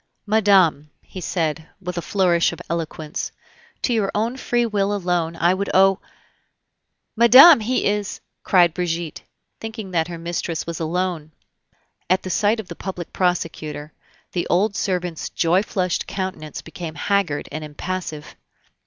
"Madame," said he with a flourish of eloquence, "to your own free will alone would I owe " "Madame, he is " cried Brigitte, thinking that her mistress was alone. At the sight of the public prosecutor, the old servant's joy flushed countenance became haggard and impassive.